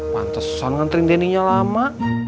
pantesan nganterin dengannya lama